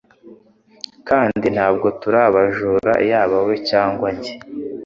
kandi ntabwo turi abajura yaba we cyangwa njye